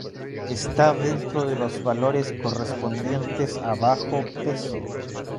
está dentro de los valores correspondientes a “bajo peso”